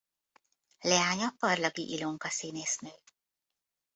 Leánya Parlagi Ilonka színésznő.